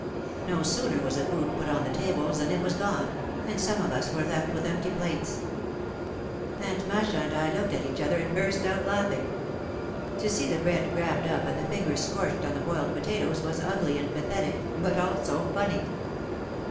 No sooner was the food put on the tables than it was gone, and some of us were left with empty plates. Aunt Masha and I looked at each other and burst out laughing. To see the bread grabbed up and the fingers scorched on the boiled potatoes was ugly and pathetic but also funny.